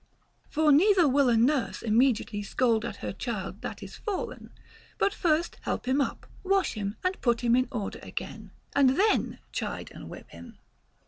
For neither will a nurse immediately scold at her child that is fallen, but first help him up, * Ε ι rip. Ion, 7o2. FROM A FRIEND. 145 wash him, and put him in order again, and then chicle and whip him.